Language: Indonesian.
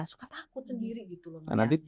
suka takut sendiri gitu loh